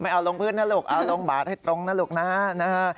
เอาลงพื้นนะลูกเอาลงบาทให้ตรงนะลูกนะนะฮะ